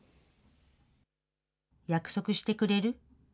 約束してくれる？